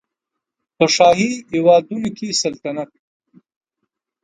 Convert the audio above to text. په شاهي هېوادونو کې سلطنت